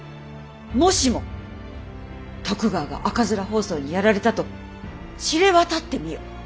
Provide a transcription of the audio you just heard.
もしも徳川が赤面疱瘡にやられたと知れ渡ってみよ。